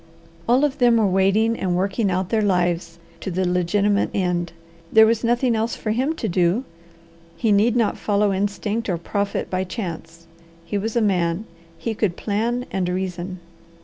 All of them were waiting and working out their lives to the legitimate end; there was nothing else for him to do. He need not follow instinct or profit by chance. He was a man; he could plan and reason.